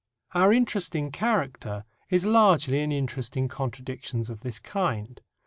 Our interest in character is largely an interest in contradictions of this kind.